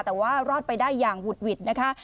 แต่ว่ารอดไปได้อย่างหุดหวิดนะคะ